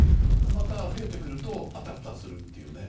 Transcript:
また、増えてくるとあたふたするというね。